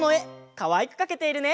かわいくかけているね！